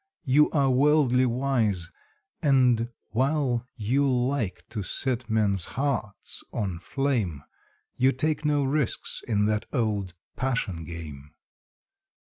You are worldly wise, And while you like to set men's hearts on flame, You take no risks in that old passion game.